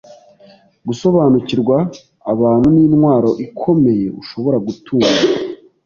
Gusobanukirwa abantu nintwaro ikomeye ushobora gutunga.